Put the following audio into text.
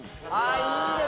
いいね！